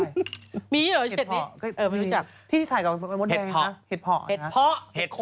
เออไม่รู้จักที่ถูกใส่กับมันเป็นโม้ตแดงนะ